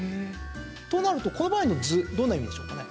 となると、この場合の「ず」どんな意味でしょうかね？